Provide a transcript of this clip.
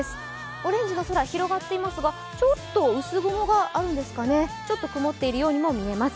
オレンジの空広がっていますが、ちょっと薄雲があるんですかねちょっと曇っているようにもみえます。